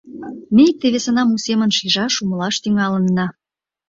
Ме икте-весынам у семын шижаш-умылаш тӱҥалынна.